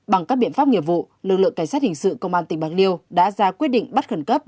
bằng các biện pháp nghiệp vụ lực lượng cảnh sát hình sự công an tỉnh bạc liêu đã ra quyết định bắt khẩn cấp